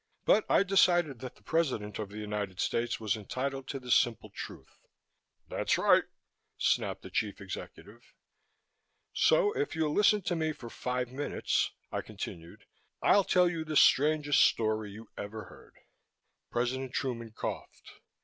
But I decided that the President of the United States was entitled to the simple truth." "That's right!" snapped the Chief Executive. "So if you'll listen to me for five minutes," I continued, "I'll tell you the strangest story you ever heard." President Truman coughed.